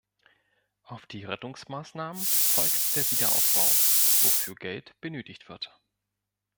Auf die Rettungsmaßnahmen folgt der Wiederaufbau, wofür Geld benötigt wird.